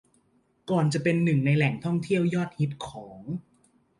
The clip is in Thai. ก่อนจะเป็นหนึ่งในแหล่งท่องเที่ยวยอดฮิตของ